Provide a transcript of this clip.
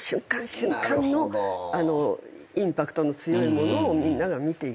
瞬間のインパクトの強いものをみんなが見ていくと。